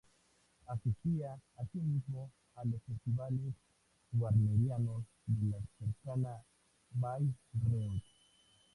Asistía asimismo a los festivales wagnerianos de la cercana Bayreuth.